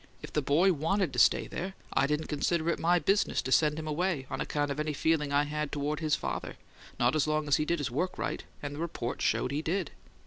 If the boy wanted to stay there, I didn't consider it my business to send him away on account of any feeling I had toward his father; not as long as he did his work right and the report showed he did.